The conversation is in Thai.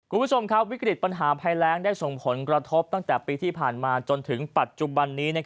คุณผู้ชมครับวิกฤตปัญหาภัยแรงได้ส่งผลกระทบตั้งแต่ปีที่ผ่านมาจนถึงปัจจุบันนี้